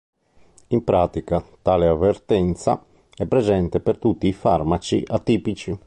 In pratica, tale avvertenza, è presente per tutti i farmaci atipici.